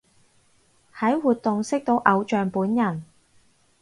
喺活動識到偶像本人